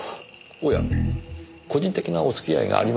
おや個人的なお付き合いがありましたか。